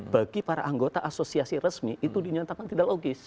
bagi para anggota asosiasi resmi itu dinyatakan tidak logis